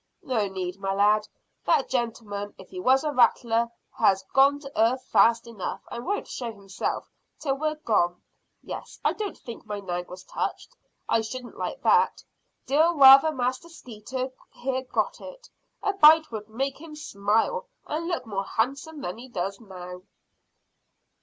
"No need, my lad; that gentleman, if he was a rattler, has gone to earth fast enough, and won't show himself till we're gone. Yes, I don't think my nag was touched. I shouldn't like that. Deal rather Master Skeeter here got it. A bite would make him smile and look more handsome than he does now."